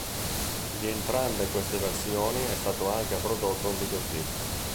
Di entrambe queste versioni è stato anche prodotto un videoclip.